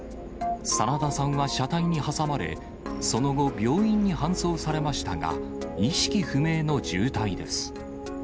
真田さんは車体に挟まれ、その後、病院に搬送されましたが、意識不明の重体です。